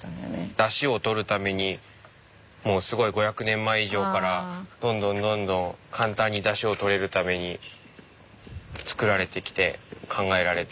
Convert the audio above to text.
だしをとるためにもうすごい５００年前以上からどんどんどんどん簡単にだしをとれるために作られてきて考えられて。